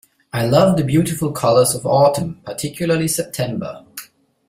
I love the beautiful colours of autumn, particularly September